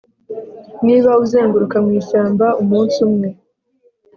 niba uzenguruka mu ishyamba umunsi umwe